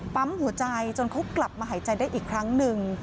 ปั๊มหัวใจจนเขากลับมาหายใจได้อีกครั้งหนึ่ง